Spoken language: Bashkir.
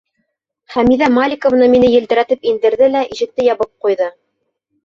Хәмиҙә Маликовна мине елтерәтеп индерҙе лә ишекте ябып ҡуйҙы.